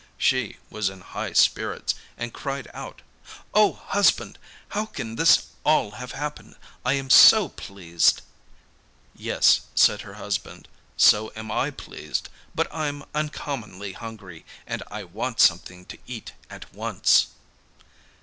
She was in high spirits, and cried out: 'Oh husband! how can this all have happened? I am so pleased!' 'Yes,' said her husband, 'so am I pleased; but I'm uncommonly hungry, and I want something to eat at once.